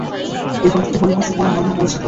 এই গ্রন্থটি হরিবংশ পুরাণ নামেও পরিচিত।